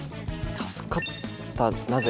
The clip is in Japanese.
助かったなぜ？